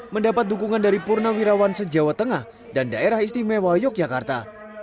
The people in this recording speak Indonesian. mendapat dukungan dari purnawirawan se jawa tengah dan daerah istimewa yogyakarta